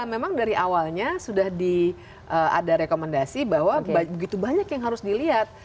memang dari awalnya sudah ada rekomendasi bahwa begitu banyak yang harus dilihat